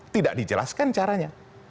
tidak dijelaskan caranya